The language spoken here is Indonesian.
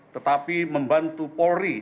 tetapi membantu polri